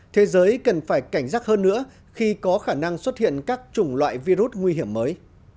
thế giới cần phải cảnh giác hơn nữa khi có khả năng xuất hiện các chủng loại virus nguy hiểm mới